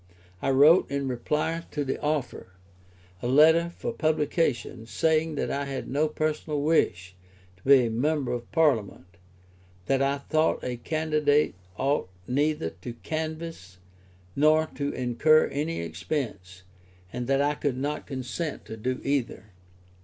I wrote, in reply to the offer, a letter for publication, saying that I had no personal wish to be a member of Parliament, that I thought a candidate ought neither to canvass nor to incur any expense, and that I could not consent to do either.